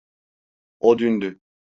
O dündü.